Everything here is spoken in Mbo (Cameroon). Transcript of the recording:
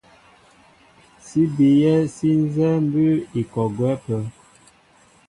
Sí bíyɛ́ sí nzɛ́ɛ́ mbʉ́ʉ́ i kɔ gwɛ́ ápə́.